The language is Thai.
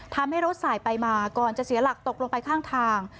ทำให้รถสายไปมาก่อนจะเสียหลักตกลงไปข้างทาง